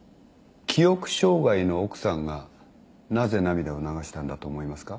記憶障害の奥さんがなぜ涙を流したんだと思いますか。